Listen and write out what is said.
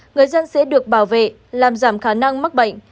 người dân sẽ được bảo vệ làm giảm khả năng mắc bệnh